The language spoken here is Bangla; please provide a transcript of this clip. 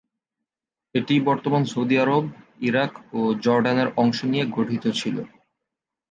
এটি বর্তমান সৌদি আরব, ইরাক ও জর্ডানের অংশ নিয়ে গঠিত ছিল।